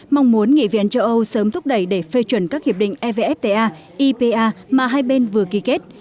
mong muốn nghị viện châu âu sớm thúc đẩy để phê chuẩn các hiệp định evfta ipa mà hai bên vừa ký kết